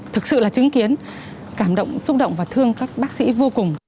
thực sự là chứng kiến cảm động xúc động và thương các bác sĩ vô cùng